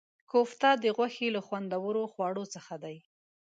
کوفته د غوښې له خوندورو خواړو څخه دی.